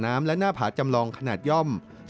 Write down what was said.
สำหรับให้มันได้ว่ายน้ำและปิ่นป่ายตามธรรมชาติ